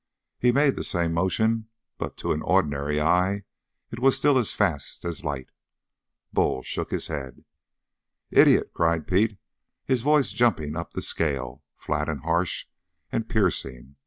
He made the same motion, but to an ordinary eye it was still as fast as light. Bull shook his head. "Idiot!" cried Pete, his voice jumping up the scale, flat and harsh and piercing.